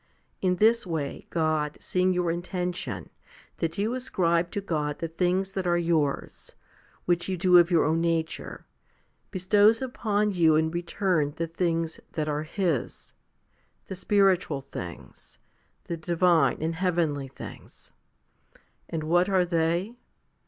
In this way, God, seeing your intention, that you ascribe to God the things that are yours, which you do of your own nature, bestows upon you in return the things that are His the spiritual things, the divine and heavenly things. And what are they